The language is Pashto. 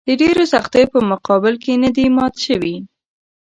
د ډېرو سختیو په مقابل کې نه دي مات شوي.